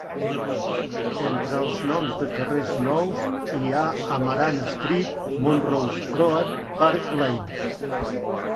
Entre els noms de carrers nous hi ha Amaranth Street, Montrose Road i Park Lane.